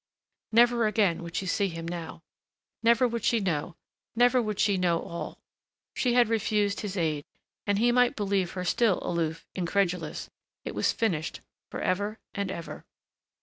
Never again would she see him now.... Never would she know never would she know all. She had refused his aid. And he might believe her still aloof, incredulous.... It was finished forever and ever.